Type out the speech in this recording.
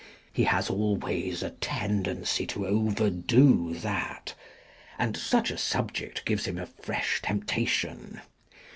* He has always a tendency to overdo that — and such a subject gives him a fresh temptation.